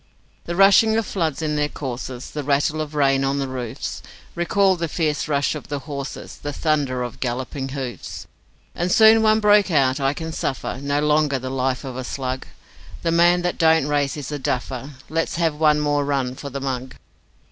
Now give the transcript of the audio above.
The rushing of floods in their courses, The rattle of rain on the roofs Recalled the fierce rush of the horses, The thunder of galloping hoofs. And soon one broke out: 'I can suffer No longer the life of a slug, The man that don't race is a duffer, Let's have one more run for the mug.